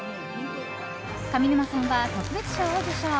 上沼さんは特別賞を受賞。